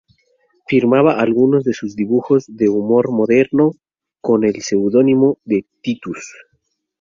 Firmaba algunos de sus dibujos de humor moderno con el seudónimo de "Titus".